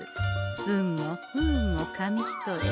運も不運も紙一重。